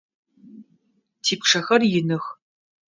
Типчъэхэр иных.